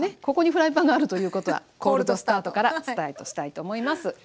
ここにフライパンがあるということはコールドスタートからスタートしたいと思います。